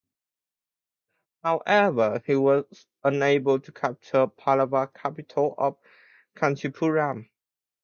However, he was unable to capture the Pallava capital of Kanchipuram.